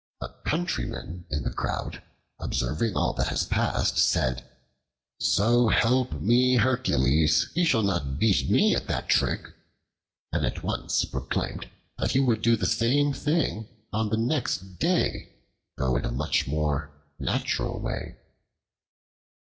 A Countryman in the crowd, observing all that has passed, said, "So help me, Hercules, he shall not beat me at that trick!" and at once proclaimed that he would do the same thing on the next day, though in a much more natural way.